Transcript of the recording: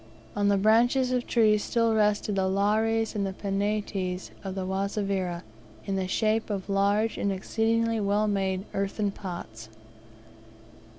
On the branches of trees still rested the Lares and Penates of the Wazavira, in the shape of large and exceedingly well made earthen pots.